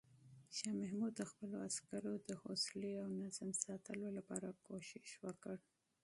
شاه محمود د خپلو عسکرو د حوصلې او نظم ساتلو لپاره کوښښ وکړ.